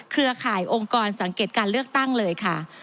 เครือข่ายองค์กรสังเกตการเลือกตั้งเลยค่ะ